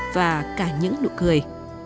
và cả những nụ cười